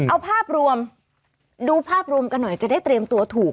เอาภาพรวมดูภาพรวมกันหน่อยจะได้เตรียมตัวถูก